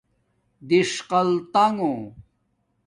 دِݽقال تنݣݹ